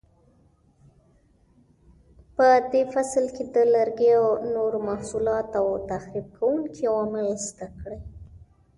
په دې فصل کې د لرګیو نور محصولات او تخریب کوونکي عوامل زده کړئ.